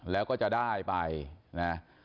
แล้วก็จะได้ไปนะ